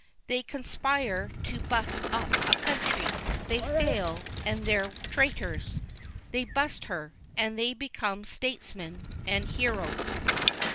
They conspire to bust up a country they fail, and they're traters. They bust her, and they become statesmen and heroes.